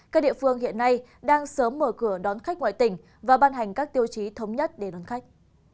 các địa phương hiện nay đang sớm mở cửa đón khách ngoại tỉnh và ban hành các tiêu chí thống nhất để đón khách